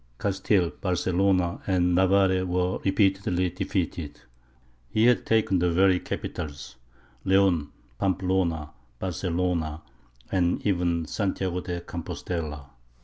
Castile, Barcelona, and Navarre were repeatedly defeated. He had taken the very capitals Leon, Pamplona, Barcelona, and even Santiago de Campostella.